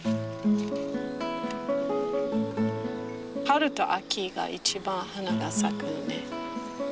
春と秋が一番花が咲くよね。